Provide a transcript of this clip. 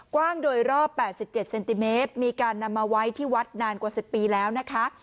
กว้างโดยรอบ๘๗เซนติเมตรมีการนำมาไว้ที่วัดนานกว่า๑๐ปีแล้วนะคะ